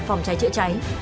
phòng cháy chữa cháy